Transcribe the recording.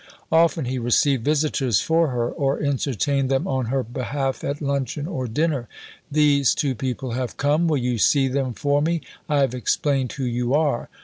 Often he received visitors for her, or entertained them on her behalf at luncheon or dinner. "These two people have come. Will you see them for me? I have explained who you are."